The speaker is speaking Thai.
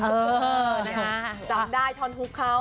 เออจำได้ทอนฮุกเขา